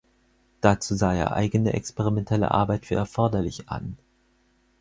Dazu sah er eigene experimentelle Arbeit für erforderlich an.